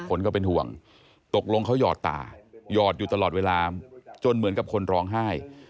คนก็เป็นห่วงตกลงเขาหยอดตาหยอดอยู่ตลอดเวลาจนเหมือนกับคนร้องไห้